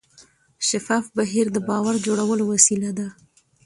شفاف بهیر د باور جوړولو وسیله ده.